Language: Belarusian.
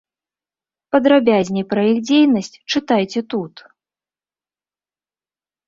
Падрабязней пра іх дзейнасць чытайце тут.